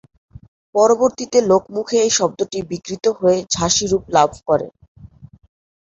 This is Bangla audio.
পরবর্তীতে লোকমুখে এই শব্দটি বিকৃত হয়ে ঝাঁসি রূপ লাভ করে।